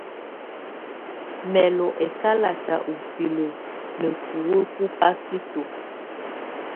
Mɛ̀ lù ɛkalatɛ utilǝ nɛ̀ buwǝ́ bù pasito.